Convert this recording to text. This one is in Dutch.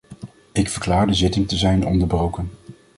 Ik verklaar de zitting te zijn onderbroken.